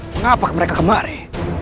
mengapa mereka kemari